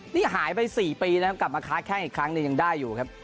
นี่หายไป๔ปีนะครับกลับมาค้าแข้งอีกครั้งหนึ่งยังได้อยู่ครับ